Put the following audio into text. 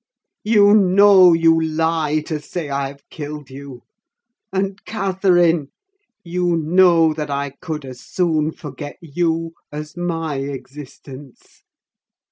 You know you lie to say I have killed you: and, Catherine, you know that I could as soon forget you as my existence!